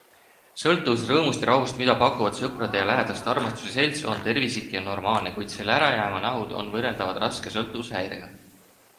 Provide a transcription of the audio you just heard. Sõltuvus rõõmust ja rahust, mida pakuvad sõprade ja lähedaste armastus ja selts, on tervislik ja normaalne, kuid selle ärajäämanähud on võrreldavad raske sõltuvushäirega.